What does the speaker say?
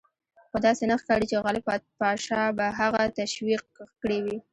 خو داسې نه ښکاري چې غالب پاشا به هغه تشویق کړی وي.